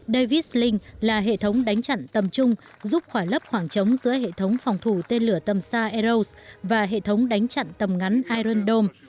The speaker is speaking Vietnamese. davis lynch là hệ thống đánh chặn tầm trung giúp khỏi lấp khoảng trống giữa hệ thống phòng thủ tên lửa tầm xa eros và hệ thống đánh chặn tầm ngắn iron dome